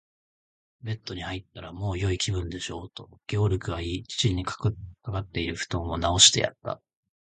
「ベッドに入ったら、もうよい気分でしょう？」と、ゲオルクは言い、父にかかっているふとんをなおしてやった。